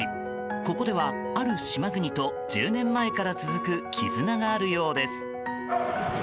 ここでは、ある島国と１０年前から続く絆があるようです。